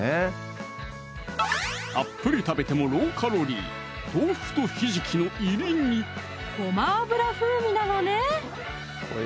たっぷり食べてもローカロリーごま油風味なのね